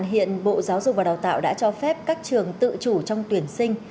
hiện bộ giáo dục và đào tạo đã cho phép các trường tự chủ trong tuyển sinh